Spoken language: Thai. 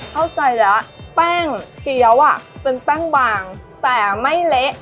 เข้าใจแล้วแป้งเกี้ยวเป็นแป้งบางแต่ไม่เละ